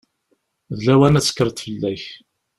D lawan ad tekkreḍ fell-ak.